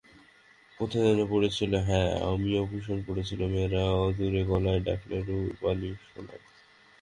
কোথায় যেন পড়েছিল, হ্যাঁ অমিয়ভূষণে পড়েছিল, মেয়েরা আদুরে গলায় ডাকলে রুপালি শোনায়।